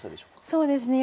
そうですね